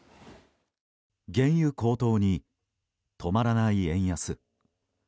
原油高騰に、止まらない円安。